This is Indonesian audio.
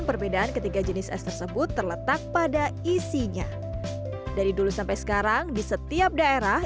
perbedaan ketiga jenis es tersebut terletak pada isinya dari dulu sampai sekarang di setiap daerah